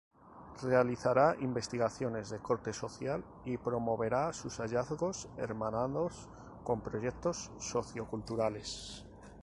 Realizará investigaciones de corte social y promoverá sus hallazgos hermanados con proyectos socio-culturales.